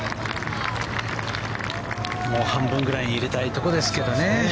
もう半分ぐらい入れたいところですけどね